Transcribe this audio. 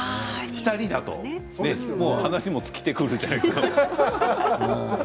２人だと話しも尽きてくるから。